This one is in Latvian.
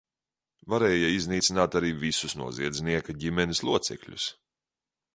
Varēja iznīcināt arī visus noziedznieka ģimenes locekļus.